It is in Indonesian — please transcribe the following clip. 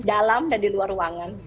dalam dan di luar ruangan